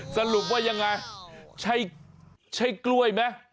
สรุปว่ายังไงใช่กล้วยไหม